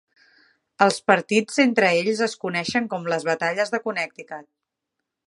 Els partits entre ells es coneixen com les "batalles de Connecticut".